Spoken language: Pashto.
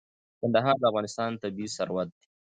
کندهار د افغانستان طبعي ثروت دی.